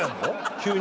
急に？